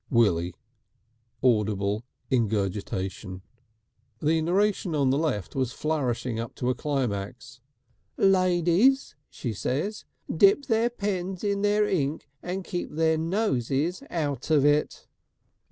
'" Willie, audible ingurgitation. The narration on the left was flourishing up to a climax. "Ladies," she sez, "dip their pens in their ink and keep their noses out of it!"